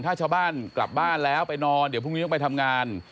ถ้าชาวบ้านกลับบ้านแล้วไปนอนเดี๋ยวพรุ่งนี้ต้องไปทำงาน